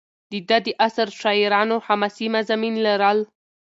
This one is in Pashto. د ده د عصر شاعرانو حماسي مضامین لرل.